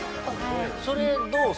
それどう？